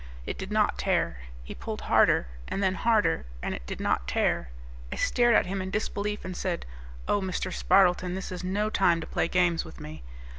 It did not tear. He pulled harder, and then harder, and it did not tear. I stared at him in disbelief and said, "Oh, Mr. Spardleton, this is no time to play games with me."